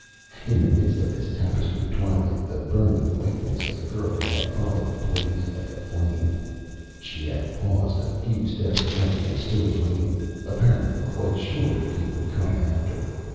In the midst of this tapestried twilight the burning whiteness of the girl he had followed blazed like a flame. She had paused a few steps away and stood waiting, apparently quite sure that he would come after.